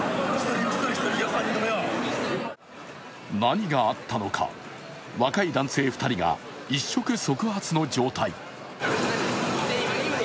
何があったのか、若い男性２人が一触即発の状態。